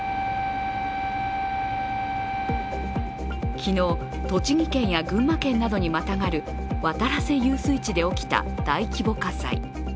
昨日、栃木県や群馬県などにまたがる渡良瀬遊水地で起きた大規模火災。